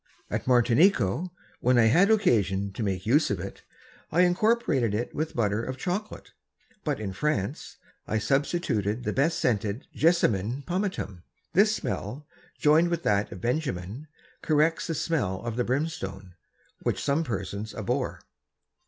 At Martinico when I had occasion to make use of it, I incorporated it with Butter of Chocolate; but in France, I substitute the best scented Jessamin Pomatum: This Smell, joined with that of Benjamin, corrects the Smell of the Brimstone, which some Persons abhor.